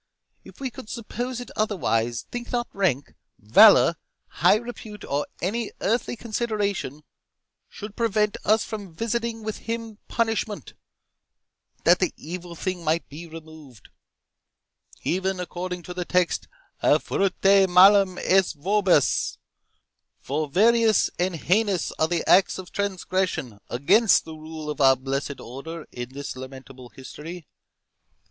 —If we could suppose it otherwise, think not rank, valour, high repute, or any earthly consideration, should prevent us from visiting him with punishment, that the evil thing might be removed, even according to the text, 'Auferte malum ex vobis'. For various and heinous are the acts of transgression against the rule of our blessed Order in this lamentable history.